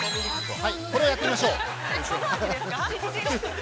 これをやってみましょう。